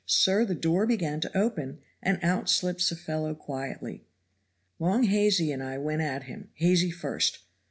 sir, the door began to open, and out slips a fellow quietly. Long Hazy and I went at him, Hazy first.